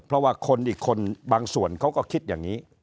เพราะว่าคนอีกคนบางส่วนเขาก็คิดอย่างนี้